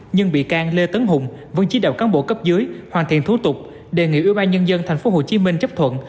nhân bị can lê tấn hùng vân chí đạo cán bộ cấp dưới hoàn thiện thú tục đề nghị ủy ban nhân dân tp hcm chấp thuận